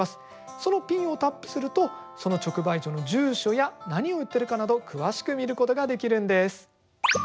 そのピンをタップするとその直売所の住所や何を売ってるかなど詳しく見ることができるんです。